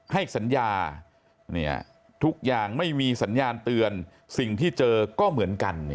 ให้สัญญาทุกอย่างไม่มีสัญญาณเตือนสิ่งที่เจอก็เหมือนกัน